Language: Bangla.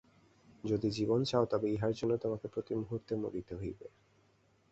যদি জীবন চাও তবে ইহার জন্য তোমাকে প্রতি মুহূর্তে মরিতে হইবে।